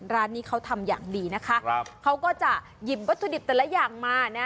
ร้านนี้เขาทำอย่างดีนะคะครับเขาก็จะหยิบวัตถุดิบแต่ละอย่างมานะ